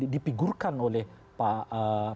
dipigurkan oleh pak